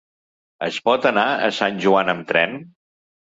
Es pot anar a Sant Joan amb tren?